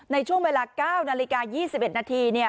ในช่วงเวลา๙นาฬิกา๒๑นาที